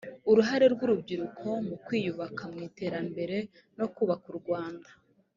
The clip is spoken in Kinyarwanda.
uruhare rw urubyiruko mu kwiyubaka mu iterambere no kubaka u rwanda